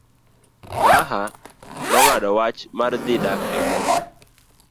Raha nong'ado wach mar dhi dak e boma.